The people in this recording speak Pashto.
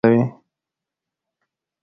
بوسراغې یې د سنځلې د دانې په اندازه وې،